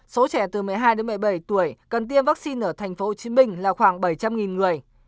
số trẻ từ một mươi hai đến một mươi bảy tuổi cần tiêm vaccine ở thành phố hồ chí minh là khoảng bảy trăm linh người